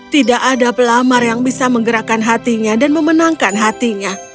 tidak ada pelamar yang bisa menggerakkan hatinya dan memenangkan hatinya